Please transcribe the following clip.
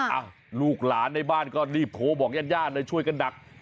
อ้าวลูกหลานในบ้านก็รีบโทรบอกย่านเลยช่วยกันดัก